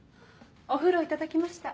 お風呂いただきました。